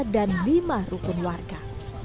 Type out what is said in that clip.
dan lima rukun warga